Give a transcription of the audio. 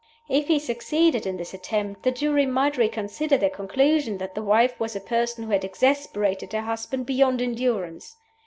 If he succeeded in this attempt, the jury might reconsider their conclusion that the wife was a person who had exasperated her husband beyond endurance.